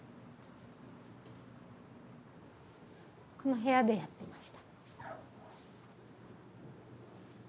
この部屋でやってました。